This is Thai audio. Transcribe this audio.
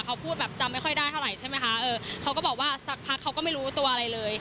เขาพูดแบบจำไม่ค่อยได้เท่าไหร่ใช่ไหมคะเออเขาก็บอกว่าสักพักเขาก็ไม่รู้ตัวอะไรเลย